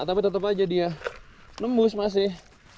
tapi tetap aja dia nembus masih